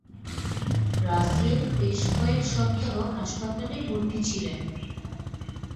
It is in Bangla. রাসেল বেশ কয়েক সপ্তাহ হাসপাতালে ভর্তি ছিলেন।